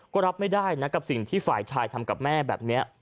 ก็รับไม่ได้นะกับสิ่งที่ฝ่ายชายทำกับแม่แบบนี้